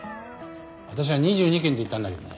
私は２２件って言ったんだけどね。